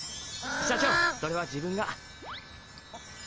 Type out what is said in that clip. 社長それは自分が。